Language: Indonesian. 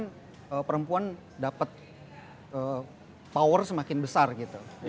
kemudian perempuan dapat power semakin besar gitu